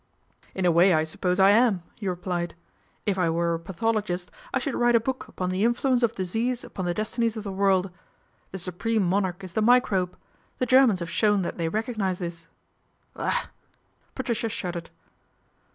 " In a way I suppose I am," he replied. " If I were a pathologist I should write a book upon A RACE WITH SPINSTERHOOD 293 The Influence of Disease upon the Destinies of the World. The supreme monarch is the microbe. The Germans have shown that they recognise this." " Ugh !" Patricia shuddered.